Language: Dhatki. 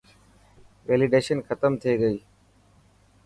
ويليڊيشن ختم ٿي گئي.